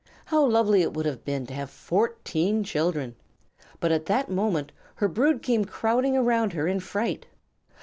How lovely it would have been to have fourteen children! But at that moment her brood came crowding around her in fright.